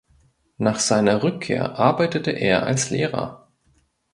Nach seiner Rückkehr arbeitete er als Lehrer.